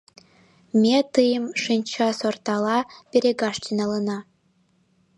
— Ме тыйым шинчасортала перегаш тӱҥалына!